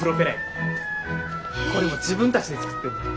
これも自分たちで作ってんねん。